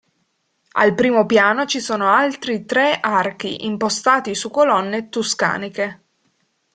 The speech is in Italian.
Al primo piano ci sono altri tre archi impostati su colonne tuscaniche.